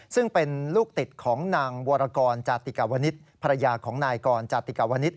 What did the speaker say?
ซึ่งเป็นลูกติดของนางวรกรจาติกาวนิษฐ์ภรรยาของนายกรจาติกาวนิต